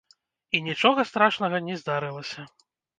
І нічога страшнага не здарылася.